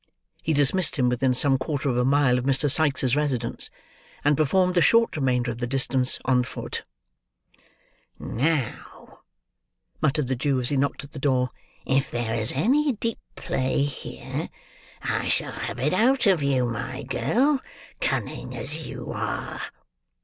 He dismissed him within some quarter of a mile of Mr. Sikes's residence, and performed the short remainder of the distance, on foot. "Now," muttered the Jew, as he knocked at the door, "if there is any deep play here, I shall have it out of you, my girl, cunning as you are."